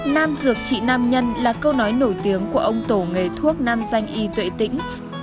nam dược chị nam nhân là câu nói nổi tiếng của ông tổ nghề thuốc nam danh y tuệ tĩnh